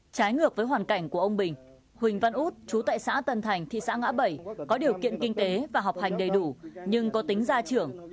trái ngược với hoàn cảnh của ông bình huỳnh văn út chú tại xã tân thành thị xã ngã bảy có điều kiện kinh tế và học hành đầy đủ nhưng có tính gia trưởng